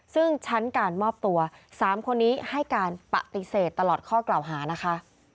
ซึ่งชั้นการมอบตัว๓คนนี้ให้การปฏิเสธตลอดข้อกล่าวหานะคะ